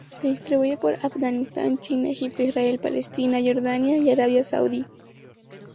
Se distribuye por Afganistán, China, Egipto, Israel, Palestina, Jordania y Arabia Saudí.